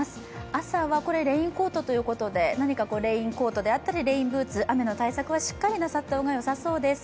朝はレインコートということで、レインコートであったりらレインブーツ、雨の対策はしっかりなさった方がよさそうです。